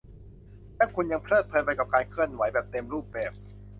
และคุณยังเพลิดเพลินไปกับการเคลื่อนไหวแบบเต็มรูปแบบ